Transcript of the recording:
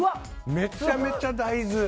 めちゃめちゃ大豆。